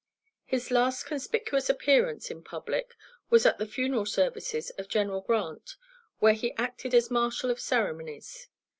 His last conspicuous appearance in public was at the funeral services of General Grant, where he acted as marshal of ceremonies.